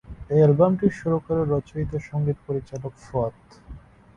এই অ্যালবামটির সুরকার ও রচয়িতা সংগীত পরিচালক ফুয়াদ।